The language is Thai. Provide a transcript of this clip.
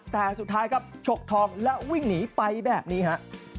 แต่สุดท้ายครับฉกทองและวิ่งหนีไปแบบนี้ฮะ